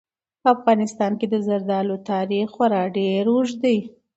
په افغانستان کې د زردالو تاریخ خورا ډېر اوږد دی.